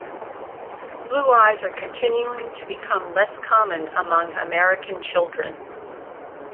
Blue eyes are continuing to become less common among American children.